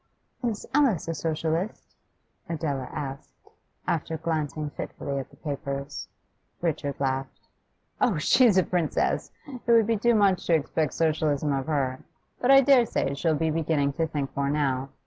'Is Alice a Socialist?' Adela asked, after glancing fitfully at the papers. Richard laughed. 'Oh, she's a princess; it would be too much to expect Socialism of her. But I dare say she'll be beginning to think more now.